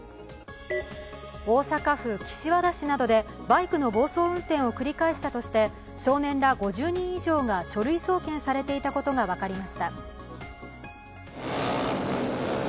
大阪府岸和田市などでバイクの暴走運転を繰り返したとして、少年ら５０人以上が書類送検されていたことが分かりました。